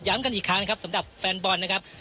กันอีกครั้งนะครับสำหรับแฟนบอลนะครับ